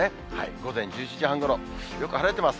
午前１１時半ごろ、よく晴れてます。